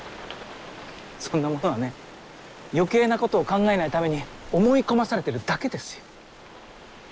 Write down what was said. そんなものはね余計なことを考えないために思い込まされてるだけですよ。